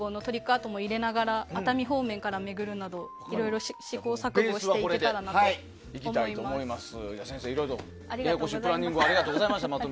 アートも入れながら熱海方面から巡るなどいろいろ試行錯誤していけたらなと思います。